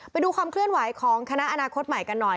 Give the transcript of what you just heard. ไปดูความเคลื่อนไหวของคณะอนาคตใหม่กันหน่อย